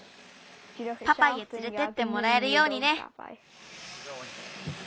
パパイへつれてってもらえるようにね。